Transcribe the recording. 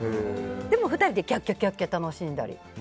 でも２人でキャッキャ楽しんだり。